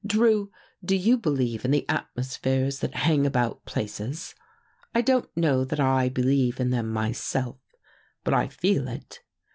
Drew, do you believe in the atmospheres that hang about places? I don't know that I be lieve in them myself, but I feel it.